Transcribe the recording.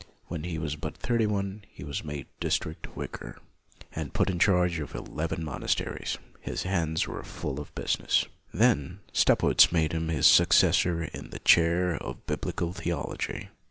When he was but thirty one he was made district vicar, and put in charge of eleven monasteries. His hands were full of business. Then io LUTHER Staupitz made him his successor, in the chair of biblical theology.